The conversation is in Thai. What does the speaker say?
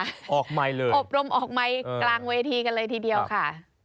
ออกไมค์เลยอบรมออกไมค์กลางเวทีกันเลยทีเดียวค่ะ